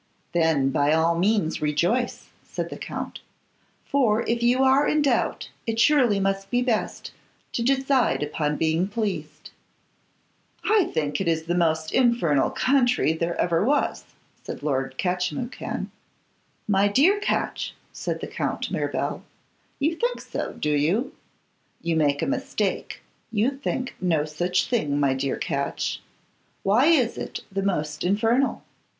'Then, by all means rejoice,' said the Count; 'for, if you are in doubt, it surely must be best to decide upon being pleased.' 'I think this is the most infernal country there ever was,' said Lord Catchimwhocan. 'My dear Catch!' said the Count Mirabel, 'you think so, do you? You make a mistake, you think no such thing, my dear Catch. Why is it the most infernal?